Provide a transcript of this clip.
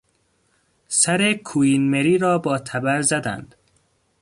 سر کوئین مری را با تبر زدند.